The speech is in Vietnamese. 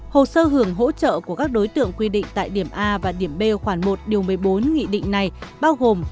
hồ sơ hưởng hỗ trợ của các đối tượng quy định tại điểm a và điểm b khoảng một điều một mươi bốn nghị định này bao gồm